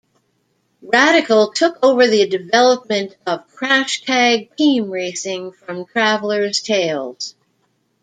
Radical took over the development of "Crash Tag Team Racing" from Traveller's Tales.